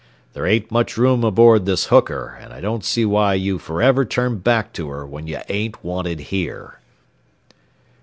"There ain't much room aboard this hooker, an' I don't see why you forever turn back to her when you ain't wanted here."